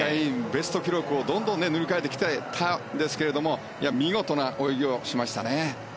ベスト記録をどんどん塗り替えてきていたんですが見事な泳ぎをしましたね。